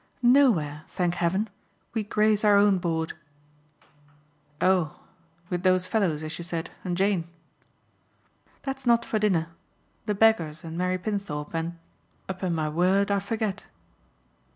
"Nowhere, thank heaven. We grace our own board." "Oh with those fellows, as you said, and Jane?" "That's not for dinner. The Baggers and Mary Pinthorpe and upon my word I forget."